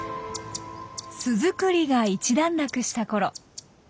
巣作りが一段落したころ。